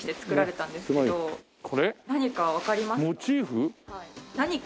何かわかりますか？